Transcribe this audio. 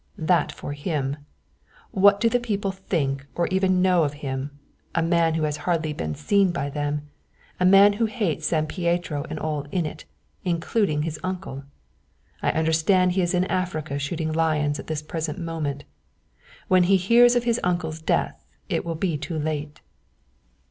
"That for him. What do the people think or even know of him, a man who has hardly been seen by them, a man who hates San Pietro and all in it including his uncle? I understand he is in Africa shooting lions at this present moment. When he hears of his uncle's death it will be too late."